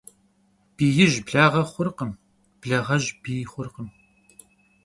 Биижь благъэ хъуркъым, благъэжь бий хъуркъым.